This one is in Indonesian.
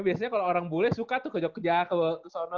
biasanya kalo orang bule suka tuh ke jogja ke sono